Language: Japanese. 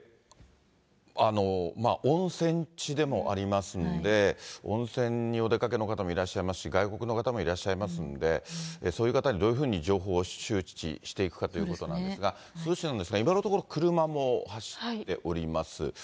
温泉地でもありますので、温泉にお出かけの方もいらっしゃいますし、外国の方もいらっしゃいますので、そういう方にどういうふうに情報を周知していくかということなんですが、珠洲市なんですが、今のところ車も走っております。